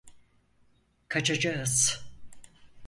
Kaçacağız.